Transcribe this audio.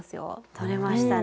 とれましたね。